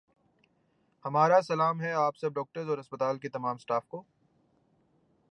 ہمارا سلام ہے آپ سب ڈاکٹرس اور ہسپتال کے تمام سٹاف کو